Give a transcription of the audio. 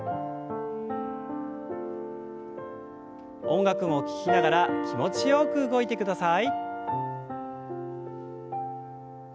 音楽を聞きながら気持ちよく動いてください。